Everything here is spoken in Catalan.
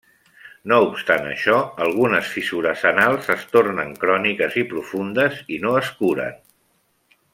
No obstant això, algunes fissures anals es tornen cròniques i profundes i no es curen.